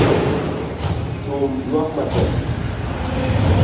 Thum yuak matek